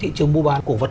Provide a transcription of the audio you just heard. thị trường mua bán cổ vật